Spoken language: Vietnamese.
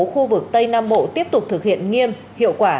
khu vực tây nam bộ tiếp tục thực hiện nghiêm hiệu quả